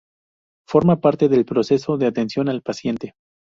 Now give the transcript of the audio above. Forma parte del proceso de atención al paciente.